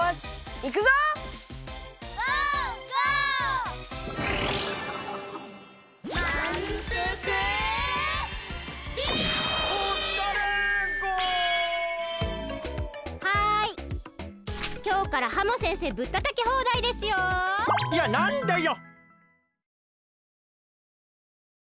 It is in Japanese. いやなんでよ！